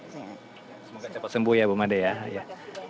semoga cepat sembuh ya bu made ya